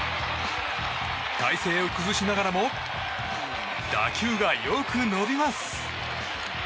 体勢を崩しながらも打球がよく伸びます。